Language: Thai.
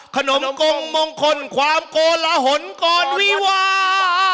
ขนมกงมองคนความโกลหละหนก่อนวีวา